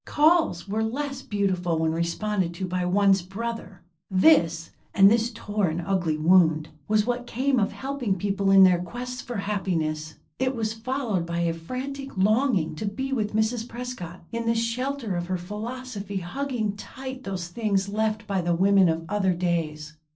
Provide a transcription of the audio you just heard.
"Calls" were less beautiful when responded to by one's brother! This (and this tore an ugly wound) was what came of helping people in their quests for happiness. It was followed by a frantic longing to be with Mrs. Prescott in the shelter of her philosophy, hugging tight those things left by the women of other days.